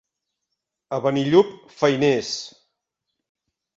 A Benillup, feiners.